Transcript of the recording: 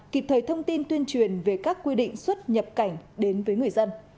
kịp thời thông tin tuyên truyền về các quy định xuất nhập cảnh đến với người dân